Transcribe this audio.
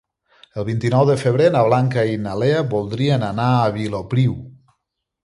El vint-i-nou de febrer na Blanca i na Lea voldrien anar a Vilopriu.